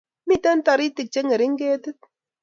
Miten toritik chengering ketit